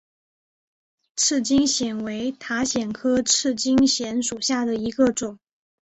赤茎藓为塔藓科赤茎藓属下的一个种。